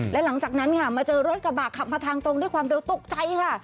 และหลังจากนั้นค่ะมาเจอรถกระบะขับมาทางตรงด้วยความเร็วตกใจค่ะ